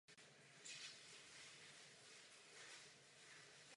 Byla naplánována stavba i několika experimentálních verzí.